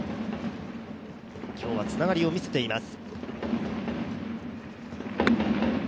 今日はつながりを見せています。